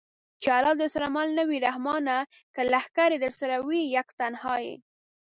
چې الله درسره مل نه وي رحمانه! که لښکرې درسره وي یک تنها یې